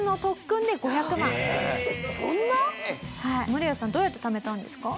ムロヤさんどうやってためたんですか？